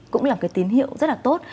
cũng là cái tín hiệu rất là tốt